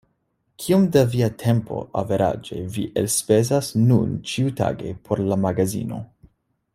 Kiom da via tempo averaĝe vi elspezas nun ĉiutage por la magazino?